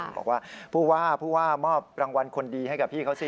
บอกว่าผู้ว่าผู้ว่ามอบรางวัลคนดีให้กับพี่เขาสิ